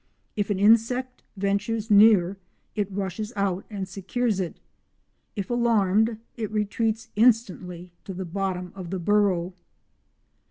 If an insect ventures near it rushes out and secures it; if alarmed, it retreats instantly to the bottom of the burrow.